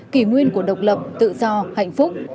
kỷ nguyên của độc lập tự do hạnh phúc